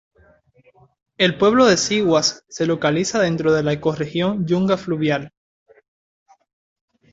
El pueblo de Sihuas se localiza dentro de la ecorregión Yunga fluvial.